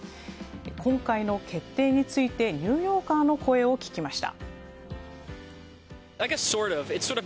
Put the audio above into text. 今回の決定についてニューヨーカーの声を聞きました。